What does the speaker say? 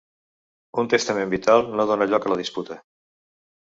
Un testament vital no dona lloc a la disputa.